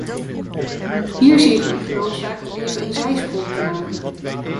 Hier zie ik mij genoodzaakt even een zijsprong te maken.